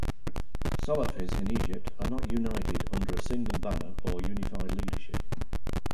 Salafis in Egypt are not united under a single banner or unified leadership.